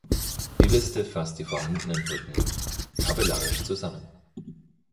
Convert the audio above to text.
Die Liste fasst die vorhandenen Brücken tabellarisch zusammen.